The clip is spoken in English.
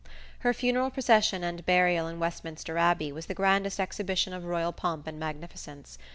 Her funeral procession and burial in Westminster Abbey was the grandest exhibition of royal pomp and magnificence.